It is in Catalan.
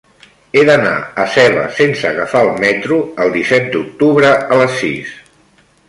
He d'anar a Seva sense agafar el metro el disset d'octubre a les sis.